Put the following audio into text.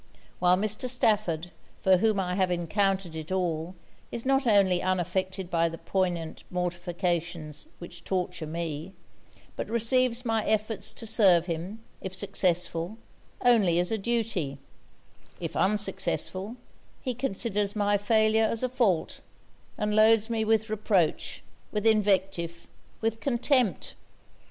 While Mr. Stafford, for whom I have encountered it all, is not only unaffected by the poignant mortifications which torture me; but receives my efforts to serve him, if successful, only as a duty if unsuccessful, he considers my failure as a fault; and loads me with reproach, with invective, with contempt!